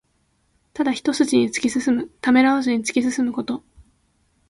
ただ一すじに突き進む。ためらわずに突き進むこと。